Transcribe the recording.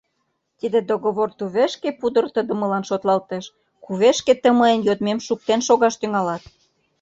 Тиде договор тувешке пудыртыдымылан шотлалтеш, кувешке тый мыйын йодмем шуктен шогаш тӱҥалат...